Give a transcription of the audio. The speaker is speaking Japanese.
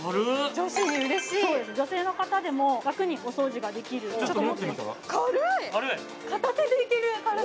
女子にうれしいそうです女性の方でも楽にお掃除ができるちょっと持ってみたら？